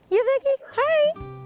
iya baki hai